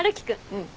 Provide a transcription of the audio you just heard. うん。